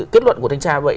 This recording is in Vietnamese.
kết luận của thanh tra vậy